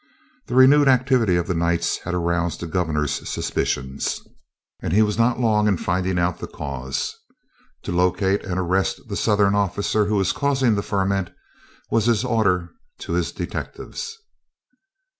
The renewed activity of the Knights had aroused the Governor's suspicions, and he was not long in finding out the cause. To locate and arrest the Southern officer who was causing the ferment, was his order to his detectives.